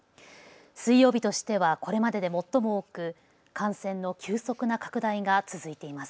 水曜日としてはこれまでで最も多く感染の急速な拡大が続いています。